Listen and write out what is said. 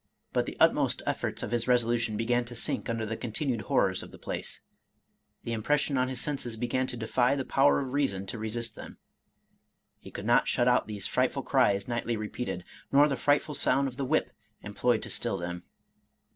But the utmost efforts of his resolution began to sink under the continued horrors of the place. The impression on his senses began to defy the power of reason to resist them. He could not shut out these frightful cries nightly repeated, nor the frightful sound of the whip employed to still them.